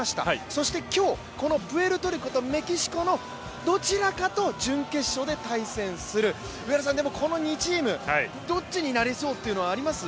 そして今日、このプエルトリコとメキシコのどちらかと準決勝で対戦する、この２チーム、どっちになりそうというのはあります？